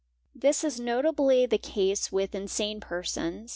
This is notably the case with insane persons.